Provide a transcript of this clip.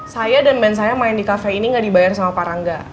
saya dan band saya main di kafe ini gak dibayar sama parangga